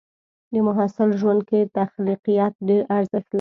د محصل ژوند کې تخلیقيت ډېر ارزښت لري.